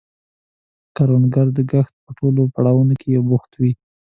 کروندګر د کښت په ټولو پړاوونو کې بوخت دی